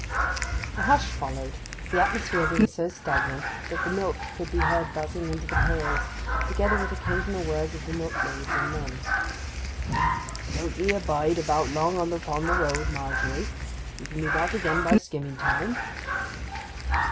A hush followed, the atmosphere being so stagnant that the milk could be heard buzzing into the pails, together with occasional words of the milkmaids and men. 'Don't ye bide about long upon the road, Margery. You can be back again by skimming time.